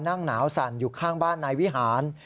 นั่งหนาวสั่นอยู่ข้างบ้านนายวิหาร